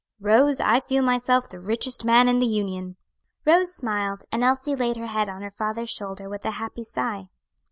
"Rose, I feel myself the richest man in the Union." Rose smiled, and Elsie laid her head on her father's shoulder with a happy sigh.